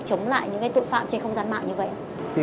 chống lại những tội phạm trên không gian mạng như vậy